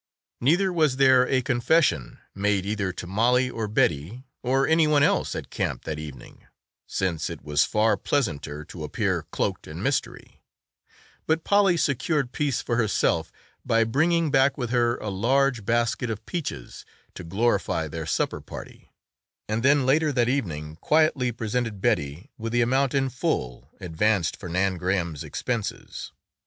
Neither was there a confession made either to Mollie or Betty or any one else at camp that evening, since it was far pleasanter to appear cloaked in mystery; but Polly secured peace for herself by bringing back with her a large basket of peaches to glorify their supper party, and then later that evening quietly presented Betty with the amount in full advanced for Nan Graham's expenses.